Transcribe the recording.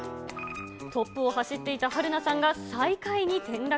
トップを走っていた春菜さんが最下位に転落。